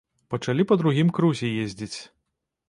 Пачалі па другім крузе ездзіць.